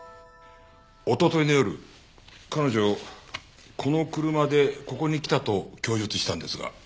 おとといの夜彼女この車でここに来たと供述したんですが。